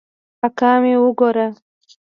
اکا مې وګوره.